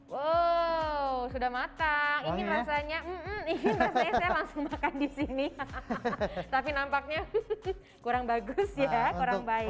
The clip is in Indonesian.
wow sudah matang ini rasanya ini langsung makan di sini tapi nampaknya kurang bagus ya